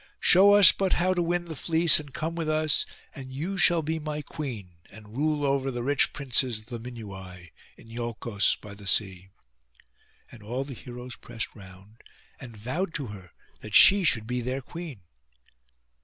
Show us but how to win the fleece, and come with us, and you shall be my queen, and rule over the rich princes of the Minuai, in Iolcos by the sea.' And all the heroes pressed round, and vowed to her that she should be their queen.